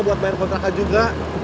buat bayar kontrakan juga